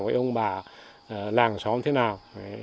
với ông bà làng xóm thế nào